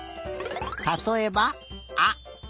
たとえば「あ」。